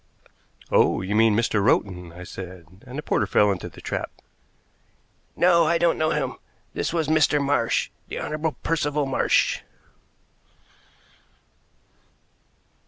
"Oh, you mean Mr. Rowton," I said, and the porter fell into the trap. "No, I don't know him. This was Mr. Marsh the Honorable Percival Marsh."